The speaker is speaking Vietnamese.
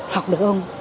học được ông